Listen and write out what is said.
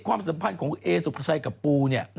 ความสัมพันธ์ของเอสุภาชัยกับปู